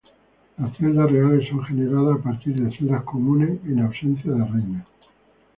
Las celdas reales son generadas a partir de celdas comunes, en ausencia de reina.